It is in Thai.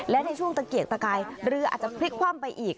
และในช่วงตะเกียกตะกายเรืออาจจะพลิกคว่ำไปอีก